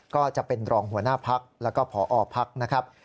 ก็จะเป็นรองหัวหน้าพักแล้วก็พอพักนะครับ